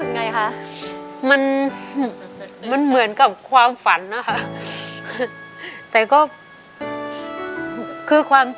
ยังไม่มีให้รักยังไม่มี